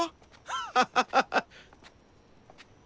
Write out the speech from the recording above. ハハハハッ。